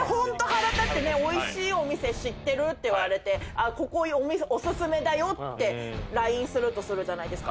「おいしいお店知ってる？」って言われてここお薦めだよってＬＩＮＥするとするじゃないですか。